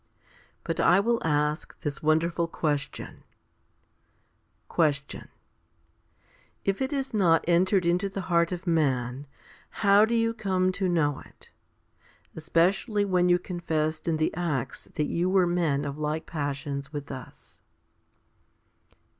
2 But I will ask this wonderful question. 6. Question. If it has not entered into the heart Of man, how do you come to know it especially when you confessed in the Acts that you were men of like passions 9 with us?